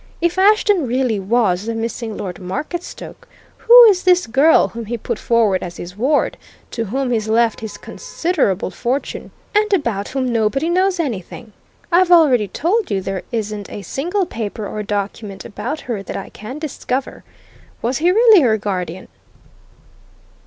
If Ashton really was the missing Lord Marketstoke, who is this girl whom he put forward as his ward, to whom he's left his considerable fortune, and about whom nobody knows anything? I've already told you there isn't a single paper or document about her that I can discover. Was he really her guardian?"